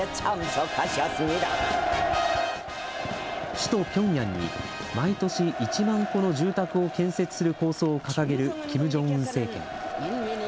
首都ピョンヤンに、毎年、１万戸の住宅を建設する構想を掲げるキム・ジョンウン政権。